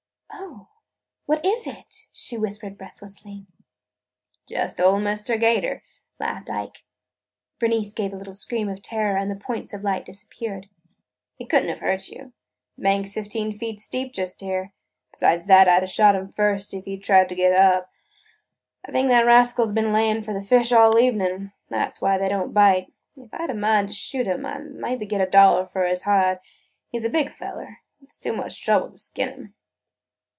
"Oh, what is it?" she whispered breathlessly. "Just old Mr. 'Gator!" laughed Ike. Bernice gave a little scream of terror and the points of light disappeared. "He could n't have hurt you. The bank 's fifteen feet steep just here. Besides that, I 'd a shot him first if he 'd tried to get up. I think the rascal's been layin' for the fish all evening. That 's why they don't bite. If I 'd a mind to shoot him, I 'd maybe get a dollar for his hide. He 's a big feller – but it 's too much trouble to skin him."